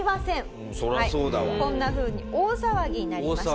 こんなふうに大騒ぎになりました。